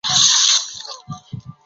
他的尸体随后被分成四等分。